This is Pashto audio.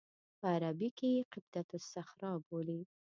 په عربي کې یې قبة الصخره بولي.